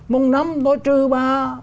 một năm tôi trừ bà